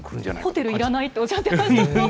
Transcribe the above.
ホテルいらないって、おっしゃっていました。